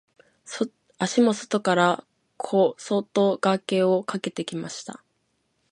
足も外から小外掛けをかけてきました。